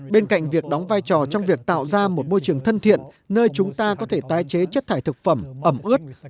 bên cạnh việc đóng vai trò trong việc tạo ra một môi trường thân thiện nơi chúng ta có thể tái chế chất thải thực phẩm ẩm ướt